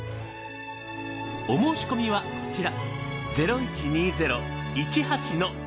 お申し込みはこちら。